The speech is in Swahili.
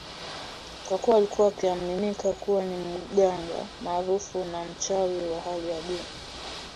kwa kuwa alikuwa akiaminika kuwa ni mganga maarufu na mchawi wa hali ya juu